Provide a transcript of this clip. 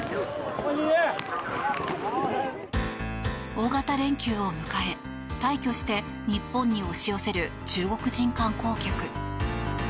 大型連休を迎え、大挙して日本に押し寄せる中国人観光客。